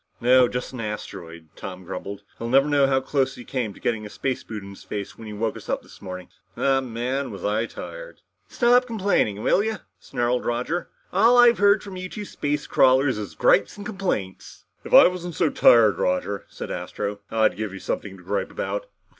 "No, just an asteroid," Tom grumbled. "He'll never know how close he came to getting a space boot in the face when he woke us up this morning. Oh, man! Was I tired!" "Stop complaining, will you?" snarled Roger. "All I've heard from you two space crawlers is gripes and complaints." "If I wasn't so tired, Roger," said Astro, "I'd give you something to gripe about.